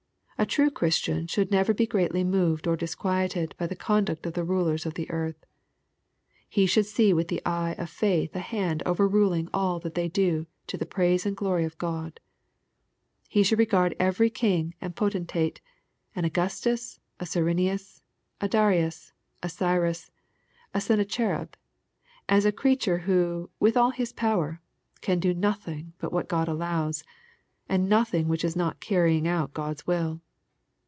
A true Christian should never be greatly moved or disquieted by the conduct of the rulers of the earth. He should see with the eye of faith a hand overruling all that they do to the praise and glory of God. He should regard every king and potentate, — an Augustus, a Cyrenius, a Darius, a Cyrus, a Sennacherib, — as a crea ture who, with all his power, can do nothing but what God allows, and nothing which is not carrying out God's will.